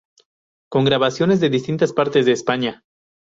Con grabaciones de distintas partes de España.